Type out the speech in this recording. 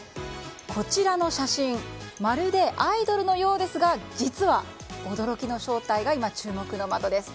こちらの写真まるでアイドルのようですが実は、驚きの正体が今、注目の的です。